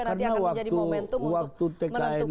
nanti akan menjadi momentum untuk menentukan arah koalisi